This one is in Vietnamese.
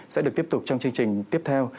sẽ được tiếp tục trong chương trình tiếp theo